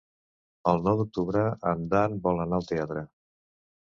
El nou d'octubre en Dan vol anar al teatre.